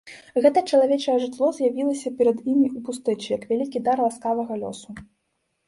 Гэтае чалавечае жытло з'явілася перад імі ў пустэчы, як вялікі дар ласкавага лёсу.